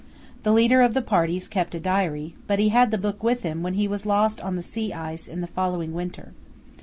The leader of the parties kept a diary, but he had the book with him when he was lost on the sea ice in the following winter.